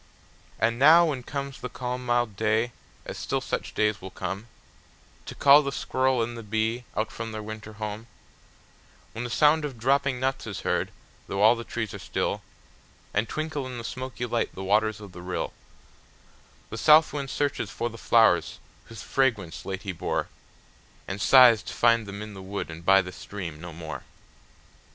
And now, when comes the calm mild day, as still such days will come, To call the squirrel and the bee from out their winter home; When the sound of dropping nuts is heard, though all the trees are still, And twinkle in the smoky light the waters of the rill, The south wind searches for the flowers whose fragrance late he bore, And sighs to find them in the wood and by the stream no more.